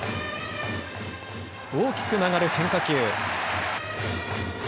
大きく曲がる変化球。